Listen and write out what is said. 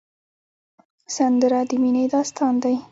سندره د مینې داستان دی